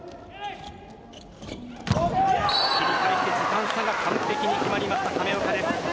切り返して時間差が完璧に決まりました、亀岡です。